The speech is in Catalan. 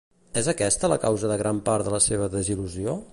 És aquesta la causa de gran part de la seva desil·lusió?